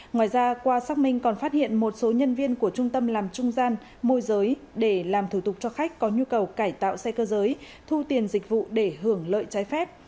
ngoài ra qua xác minh còn phát hiện một số nhân viên của trung tâm làm trung gian môi giới để làm thủ tục cho khách có nhu cầu cải tạo xe cơ giới thu tiền dịch vụ để hưởng lợi trái phép